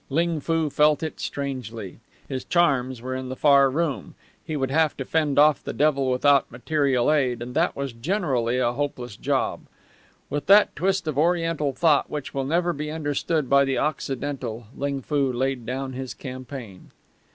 Ling Foo felt it strangely. His charms were in the far room. He would have to fend off the devil without material aid, and that was generally a hopeless job. With that twist of Oriental thought which will never be understood by the Occidental, Ling Foo laid down his campaign.